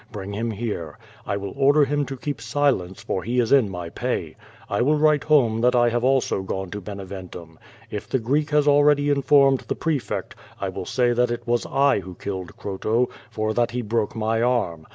Bring him here. I will order him to keep silence, for he is in my pay. I will write home that I also have gone to Beneventum. If the Greek has already infonned the pre fect, I will say that it was I who killed Croto; for that he broke my arm.